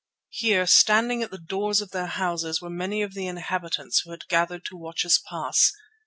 Here, standing at the doors of their houses, were many of the inhabitants who had gathered to watch us pass.